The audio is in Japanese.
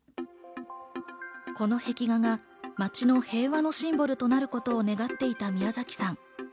この壁画が街の平和のシンボルとなることを願っていたミヤザキさん。